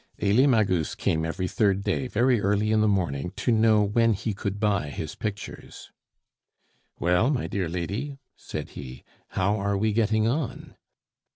Elie Magus came every third day very early in the morning to know when he could buy his pictures. "Well, my dear lady," said he, "how are we getting on?"